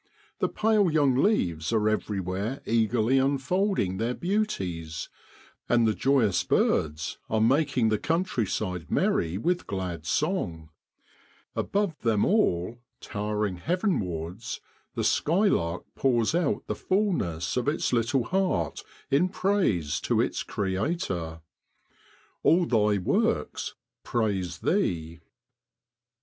The pale young leaves are everywhere eagerly unfolding their beauties, and the joyous birds are making the countryside merry with glad song, above them all, towering heavenwards, the skylark pours out the fulness of its little heart in praise to its Creator. l All Thy works praise Thee